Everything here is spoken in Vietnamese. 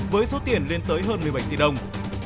với số tiền lên tới hơn một mươi bảy tỷ đồng